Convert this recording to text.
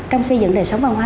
trong xây dựng đời sống văn hóa